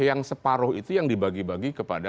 yang separuh itu yang dibagi bagi kepada